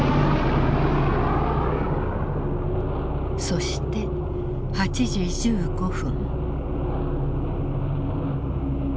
そして８時１５分。